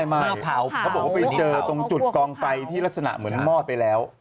มาเผาเขาบอกว่าไปเจอตรงจุดกองไฟที่ลักษณะเหมือนมอดไปแล้ว